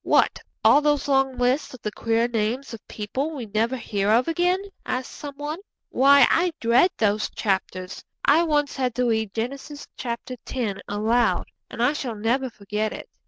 'What, all those long lists of the queer names of people we never hear of again?' asks some one. 'Why, I dread those chapters. I once had to read Genesis x. aloud, and I shall never forget it!'